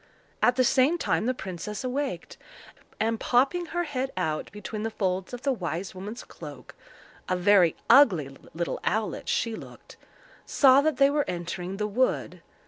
At the same time the princess awaked, and popping her head out between the folds of the wise woman's cloak—a very ugly little owlet she looked—saw that they were entering the wood.